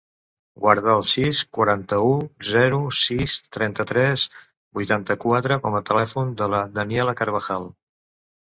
Guarda el sis, quaranta-u, zero, sis, trenta-tres, vuitanta-quatre com a telèfon de la Daniela Carvajal.